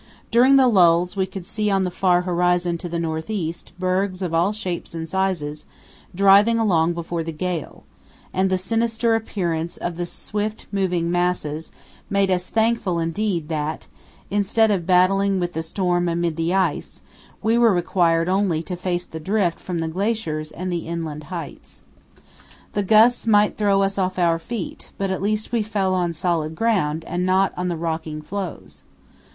During the lulls we could see on the far horizon to the north east bergs of all shapes and sizes driving along before the gale, and the sinister appearance of the swift moving masses made us thankful indeed that, instead of battling with the storm amid the ice, we were required only to face the drift from the glaciers and the inland heights. The gusts might throw us off our feet, but at least we fell on solid ground and not on the rocking floes.